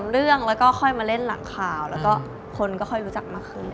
เรื่องแล้วก็ค่อยมาเล่นหลังข่าวแล้วก็คนก็ค่อยรู้จักมากขึ้น